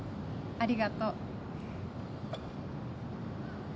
ありがとう。